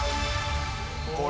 これ。